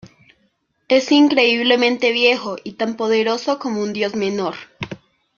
Es increíblemente viejo, y tan poderoso como un dios menor.